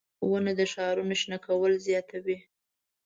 • ونه د ښارونو شنه کول زیاتوي.